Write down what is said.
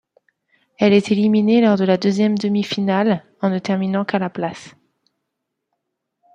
Elle est éliminée lors de la deuxième demi-finale en ne terminant qu'à la place.